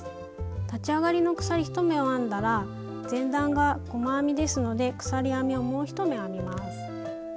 立ち上がりの鎖１目を編んだら前段が細編みですので鎖編みをもう１目編みます。